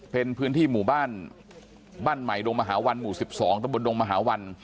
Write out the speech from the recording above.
เป็นพื้นที่หมู่บ้านบ้านใหม่ดงมหาวันหมู่๑๒ตะบนดงมหาวัน